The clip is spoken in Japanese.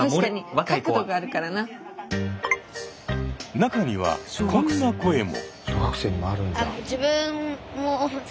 中にはこんな声も。